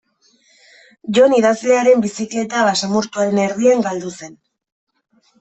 Jon idazlearen bizikleta basamortuaren erdian galdu zen.